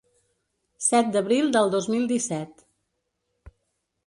Set d’abril del dos mil disset.